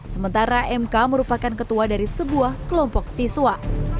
sementara mk merupakan ketua dari sebuah kelompok siswa